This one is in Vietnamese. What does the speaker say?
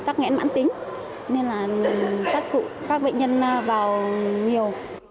tắc nghẽn mãn tính nên là các bệnh nhân vào nhiều